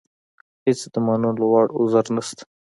هېڅ د منلو وړ عذر نشته.